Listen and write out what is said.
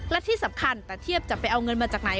และที่สำคัญตะเทียบจะไปเอาเงินมาจากไหน